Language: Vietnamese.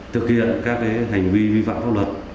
thực hiện các hành vi vi phạm pháp luật